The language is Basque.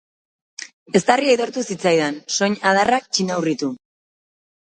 Eztarria idortu zitzaidan, soin-adarrak txinaurritu.